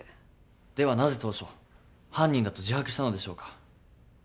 ではなぜ当初犯人だと自白したのでしょうか？